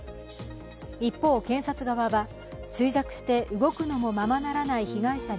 一方、検察側は衰弱して動くのもままならない被害者に